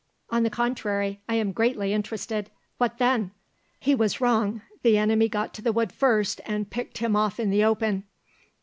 "On the contrary, I am greatly interested; what then?" "He was wrong; the enemy got to the wood first and picked him off in the open.